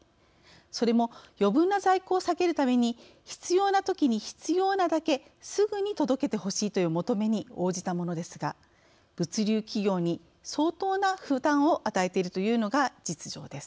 それも余分な在庫を避けるために必要なときに必要なだけすぐに届けてほしいという求めに応じたものですが物流企業に相当な負担を与えているというのが実情です。